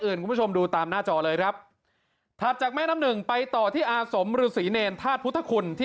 คุณผู้ชมดูตามหน้าจอเลยครับถัดจากแม่น้ำหนึ่งไปต่อที่อาสมฤษีเนรธาตุพุทธคุณที่